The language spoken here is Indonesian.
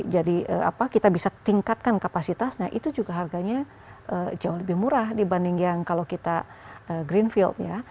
jadi kita bisa tingkatkan kapasitasnya itu juga harganya jauh lebih murah dibanding yang kalau kita green field ya